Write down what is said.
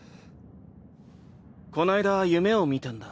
こないだ夢を見たんだ。